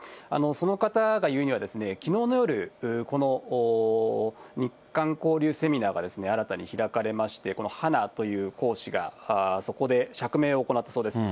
その方が言うには、きのうの夜、この日韓交流セミナーが新たに開かれまして、この花という講師がそこで釈明を行ったそうです。